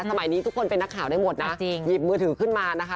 สมัยนี้ทุกคนเป็นนักข่าวได้หมดนะจริงหยิบมือถือขึ้นมานะคะ